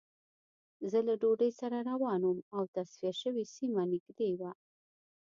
زه له دوی سره روان وم او تصفیه شوې سیمه نږدې وه